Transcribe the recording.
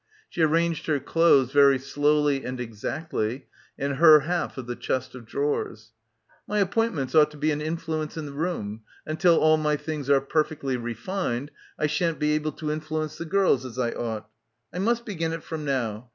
She arranged her clothes very slowly and exactly in her half of the chest of drawers. "My appointments ougjht to be an influence in the room — until all my things are perfectly refined I shan't be able to influence the girls as I ought. I must begin it from now.